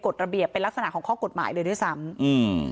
ระเบียบเป็นลักษณะของข้อกฎหมายเลยด้วยซ้ำอืม